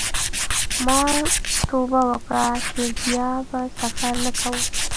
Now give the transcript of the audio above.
ما توبه وکړه چې بیا به سفر نه کوم.